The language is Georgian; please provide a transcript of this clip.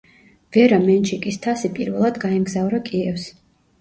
ვერა მენჩიკის თასი პირველად გაემგზავრა კიევს.